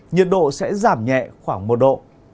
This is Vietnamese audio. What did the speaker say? nhiệt độ sẽ giảm nhẹ khoảng một độ